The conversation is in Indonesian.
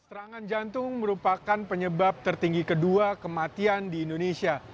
serangan jantung merupakan penyebab tertinggi kedua kematian di indonesia